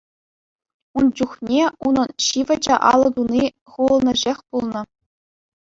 Ун чухне унӑн ҫивӗчӗ алӑ туни хулӑнӑшех пулнӑ.